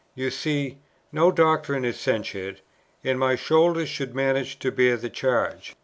You see, no doctrine is censured, and my shoulders shall manage to bear the charge.